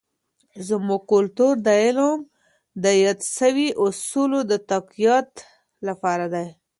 زموږ کلتور د علم د یادو سوي اصولو د تقویت لپاره دی.